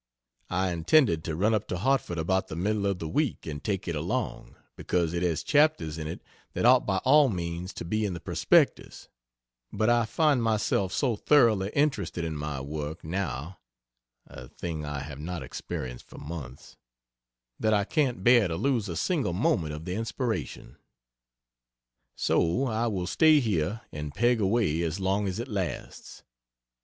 I intended to run up to Hartford about the middle of the week and take it along; because it has chapters in it that ought by all means to be in the prospectus; but I find myself so thoroughly interested in my work, now (a thing I have not experienced for months) that I can't bear to lose a single moment of the inspiration. So I will stay here and peg away as long as it lasts.